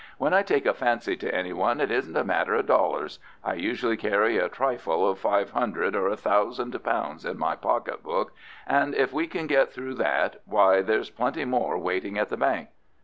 "When I take a fancy to any one it isn't a matter of dollars. I usually carry a trifle of five hundred or a thousand pounds in my pocket book, and if we can get through that why, there's plenty more waiting at the bank.